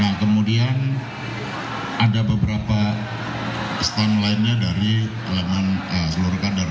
nah kemudian ada beberapa stand lainnya dari elemen seluruh kader